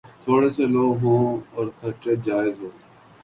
تھوڑے سے لوگ ہوں اور خرچا جائز ہو۔